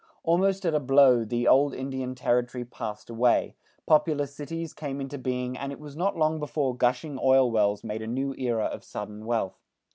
Almost at a blow the old Indian territory passed away, populous cities came into being and it was not long before gushing oil wells made a new era of sudden wealth.